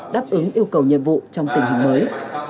đáp ứng yêu cầu nhiệm vụ trong tình hình mới